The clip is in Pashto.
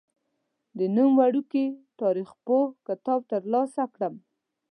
د نوم ورکي تاریخپوه کتاب تر لاسه کړم.